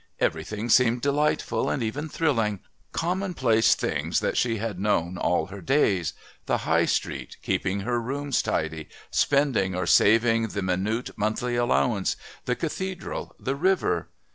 Everything seemed delightful and even thrilling, commonplace things that she had known all her days, the High Street, keeping her rooms tidy, spending or saving the minute monthly allowance, the Cathedral, the river.